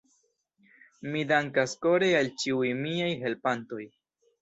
Mi dankas kore al ĉiuj miaj helpantoj.